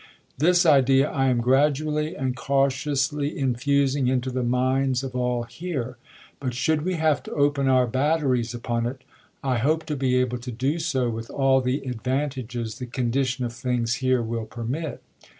This idea I am gradually and cautiously infusing into the minds of all here ; but should we have to open our batteries upon it, I hope to be able to do so with all the advantages the condition of things here will permit.